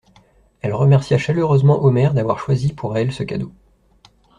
Elle remercia chaleureusement Omer d'avoir choisi, pour elle, ce cadeau.